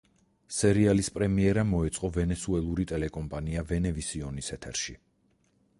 სერიალის პრემიერა მოეწყო ვენესუელური ტელეკომპანია ვენევისიონის ეთერში.